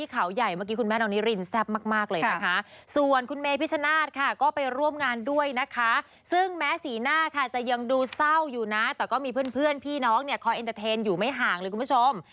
ครับแล้วทุกผู้สู้มากก็ได้ครับ